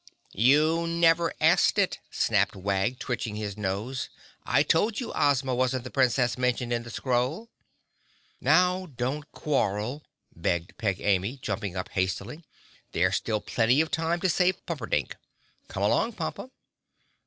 "You never asked it," snapped Wag, twitching his nose. "I told you Ozma wasn't the Princess mentioned in the scroll!" "Now don't quarrel," begged Peg Amy, jumping up hastily. "There's still plenty of time to save Pumperdink. Come along, Pompa."